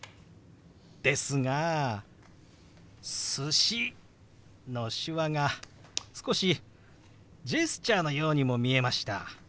ですが「寿司」の手話が少しジェスチャーのようにも見えました。